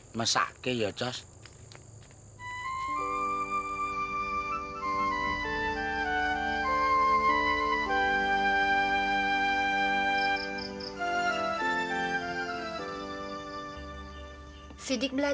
gak usah saya juga mau bantuin mbak